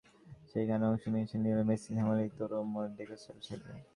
সেখানে অংশ নিয়েছিলেন লিওনেল মেসি, স্যামুয়েল ইতোর মতো ডেকোর সাবেক সতীর্থরা।